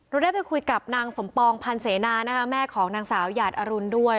เราได้ไปคุยกับนางสมปองพันธ์เสนานะคะแม่ของนางสาวหยาดอรุณด้วย